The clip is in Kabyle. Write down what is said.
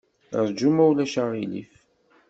Ṛju, ma ulac aɣilif.